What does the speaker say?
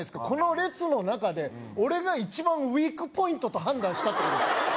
この列の中で俺が一番ウイークポイントと判断したってことですよ